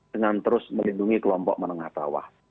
dengan terus melindungi kelompok menengah bawah